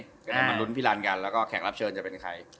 จะได้มาลุ้นพี่รันกันแล้วก็แขกรับเชิญจะเป็นใคร